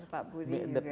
pak budi juga